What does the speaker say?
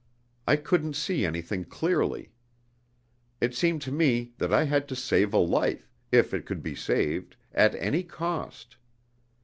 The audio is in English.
I couldn't see anything clearly. It seemed to me that I had to save a life, if it could be saved, at any cost.